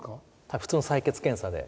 はい普通の採血検査で。